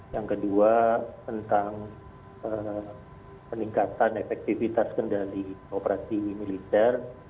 yang kedua tentang peningkatan efektivitas kendali operasi militer